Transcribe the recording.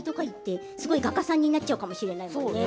すごい画家さんになっちゃうかもしれないね。